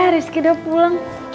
rizky udah pulang